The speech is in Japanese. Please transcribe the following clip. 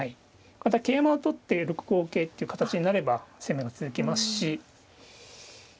また桂馬を取って６五桂っていう形になれば攻めが続きますし。